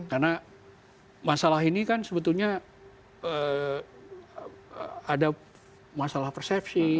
karena masalah ini kan sebetulnya ada masalah persepsi